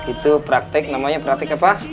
itu praktek namanya praktik apa